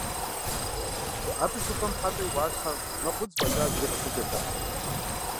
Абы щыгъуэм Хьэтӏэ и ӏуащхьэм мэкъу, удз фӏэкӏа зыри къыщыкӏыртэкъым.